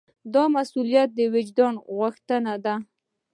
دا مسوولیت د وجدان غوښتنه ده.